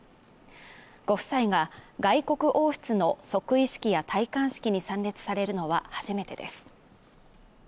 ご夫妻が外国王室の即位式や戴冠式に参列されるのは初めてです。